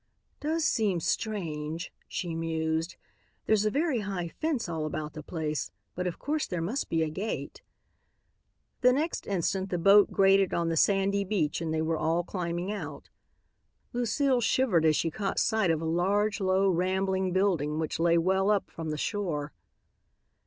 "Does seem strange," she mused. "There's a very high fence all about the place, but of course there must be a gate." The next instant the boat grated on the sandy beach and they were all climbing out. Lucile shivered as she caught sight of a large, low, rambling building which lay well up from the shore.